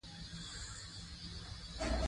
افغانستان په ستوني غرونه غني دی.